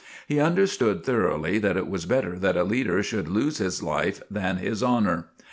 He understood thoroughly that it was better that a leader should lose his life than his honor.